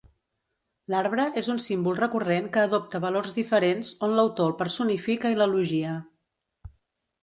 L'arbre és un símbol recurrent que adopta valors diferents, on l'autor el personifica i l'elogia.